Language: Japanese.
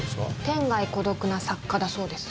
天涯孤独な作家だそうです。